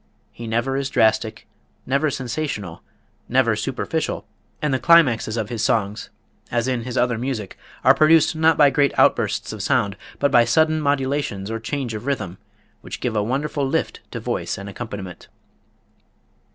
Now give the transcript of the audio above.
He never is drastic, never sensational, never superficial; and the climaxes of his songs, as in his other music, are produced not by great outbursts of sound, but by sudden modulations or change of rhythm, which give a wonderful "lift" to voice and accompaniment.